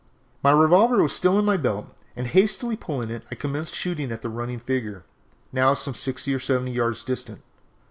"My revolver was still in my belt, and hastily pulling it I commenced shooting at the running figure, now some sixty or seventy yards distant.